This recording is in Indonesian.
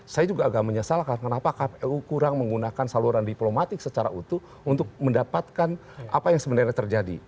saya juga agak menyesalkan kenapa kpu kurang menggunakan saluran diplomatik secara utuh untuk mendapatkan apa yang sebenarnya terjadi